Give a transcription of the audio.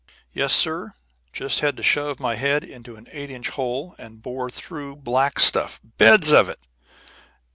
Yes, sir, just had to shove my head into an eight inch hole and bore through black stuff, beds of it.